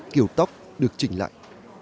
kiểu tóc được chỉnh lại